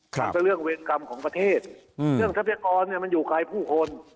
มันก็เรื่องเวรกรรมของประเทศเรื่องทรัพยากรมันอยู่ไกลผู้คน